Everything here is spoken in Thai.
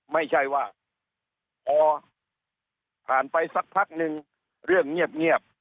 ไม่ใช่ว่าพอผ่านไปสักพักนึงเรื่องเงียบ